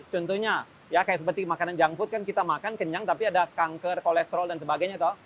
contohnya seperti makanan junk food kita makan kenyang tapi ada kanker kolesterol dan sebagainya